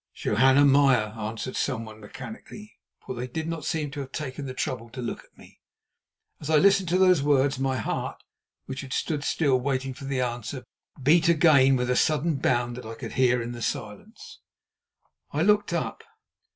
"Johanna Meyer," answered someone mechanically, for they did not seem to have taken the trouble to look at me. As I listened to those words my heart, which had stood still waiting for the answer, beat again with a sudden bound that I could hear in the silence. I looked up.